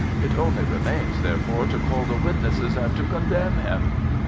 It only remains, therefore, to call the witnesses and to condemn him."